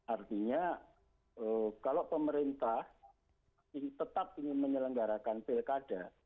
artinya kalau pemerintah tetap ingin menyelenggarakan pilkada